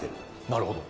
なるほど。